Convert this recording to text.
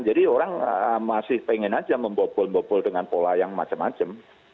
jadi orang masih pengen saja membobol bobol dengan pola yang macam macam